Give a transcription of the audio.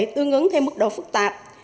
tương ứng theo mức độ phức tạp